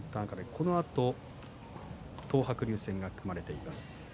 このあと東白龍戦が組まれている炎鵬です。